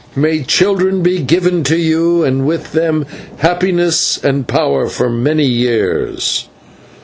May children be given to you, and with them happiness and power for many years."